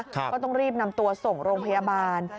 ก็ต้องรีบนำตัวส่งโรงพยาบาล